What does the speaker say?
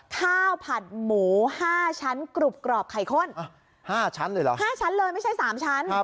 ข้าวผัดหมู๕ชั้นกรุบกรอบไข่ข้น๕ชั้นเลยเหรอ๕ชั้นเลยไม่ใช่๓ชั้น